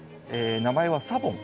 名前はサボン。